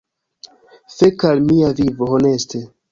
Fek al mia vivo, honeste!